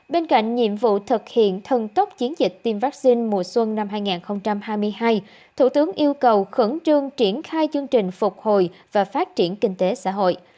bên cạnh nhiệm vụ thực hiện thần tốc chiến dịch tiêm vaccine mùa xuân năm hai nghìn hai mươi hai thủ tướng yêu cầu khẩn trương triển khai chương trình phục hồi và phát triển kinh tế xã hội